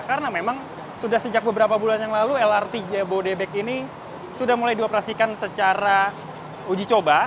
karena memang sudah sejak beberapa bulan yang lalu lrt jabodebek ini sudah mulai dioperasikan secara uji coba